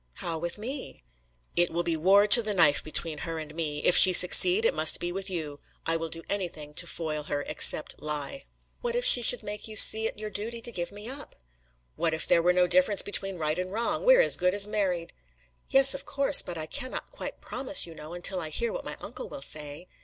"How with me?" "It will be war to the knife between her and me. If she succeed, it must be with you. I will do anything to foil her except lie." "What if she should make you see it your duty to give me up?" "What if there were no difference between right and wrong! We're as good as married!" "Yes, of course; but I cannot quite promise, you know, until I hear what my uncle will say."